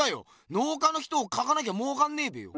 農家の人を描かなきゃもうかんねえべよ。